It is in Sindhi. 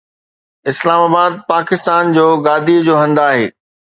اسلام آباد پاڪستان جو گادي جو هنڌ آهي.